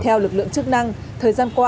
theo lực lượng chức năng